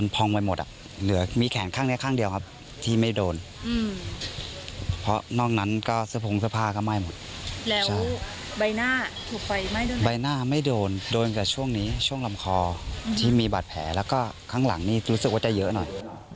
ภาพที่มีกล้มครองคลาตแต๊แล้วก็ข้างหลังนี้จะเหอะหน่อย